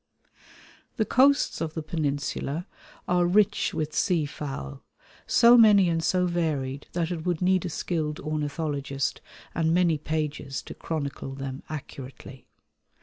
The coasts of the Peninsula are rich with seafowl, so many and so varied that it would need a skilled ornithologist and many pages to chronicle them accurately.